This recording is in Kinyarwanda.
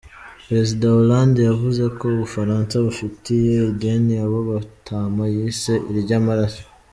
Perezida Hollande yavuze ko Ubufaransa bufitiye ideni abo batama yise iry'amaraso.